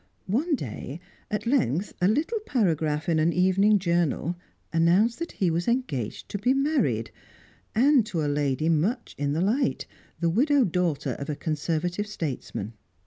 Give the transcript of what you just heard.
One day, at length, a little paragraph in an evening journal announced that he was engaged to be married, and to a lady much in the light, the widowed daughter of a Conservative statesman.